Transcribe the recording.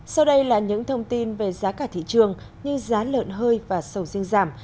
sau đây là những thông tin về giá cả thị trường như giá lợn hơi và sầu riêng giảm